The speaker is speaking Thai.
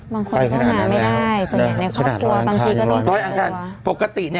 บางคนเข้ามาไม่ได้ส่วนใหญ่ในครอบครัวบางทีก็ไม่ได้